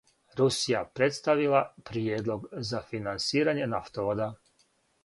Русија представила приједлог за финансирање нафтовода